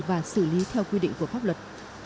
và xử lý theo quy định của pháp luật